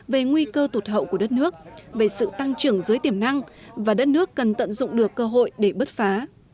về nguy cơ tụt hậu của đất nước về sự tăng trưởng dưới tiềm năng và đất nước cần tận dụng được cơ hội để bứt phá